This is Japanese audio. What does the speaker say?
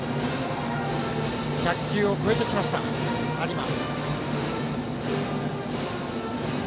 １００球を超えてきました有馬。